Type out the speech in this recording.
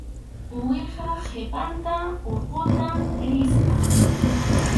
Uwihap qhipanta urquta rispam.